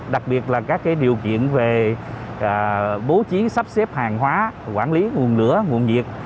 đặc biệt là các điều kiện về bố trí sắp xếp hàng hóa quản lý nguồn lửa nguồn nhiệt